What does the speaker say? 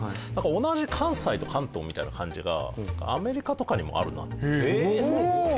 同じ関西と関東みたいな感じがアメリカとかにもあるなっていう気がするんですよ。